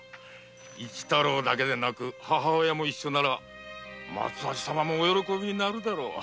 市太郎だけでなく母親も一緒なら松橋様もお喜びになるだろう。